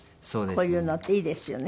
こういうのっていいですよね。